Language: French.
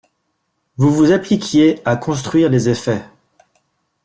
Vous vous appliquiez à construire les effets.